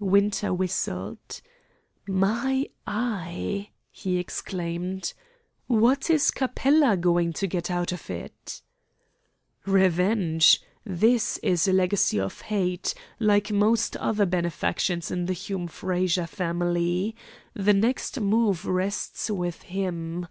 Winter whistled. "My eye!" he exclaimed. "What is Capella going to get out of it?" "Revenge! His is a legacy of hate, like most other benefactions in the Hume Frazer family. The next move rests with him.